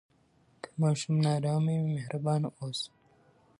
که ماشوم نارامه وي، مهربان اوسه.